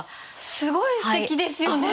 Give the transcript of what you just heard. すごいすてきですよね。